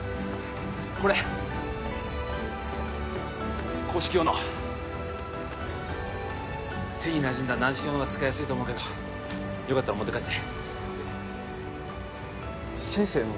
これ硬式用の手になじんだ軟式のほうが使いやすいと思うけどよかったら持って帰って先生の？